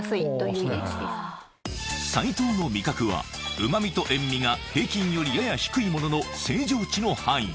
うま味と塩味が平均よりやや低いものの正常値の範囲